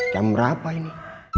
jam berapa ini